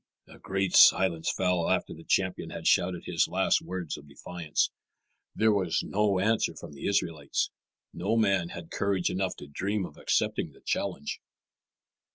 A great silence fell after the champion had shouted his last words of defiance. There was no answer from the Israelites. No man had courage enough to dream of accepting the challenge.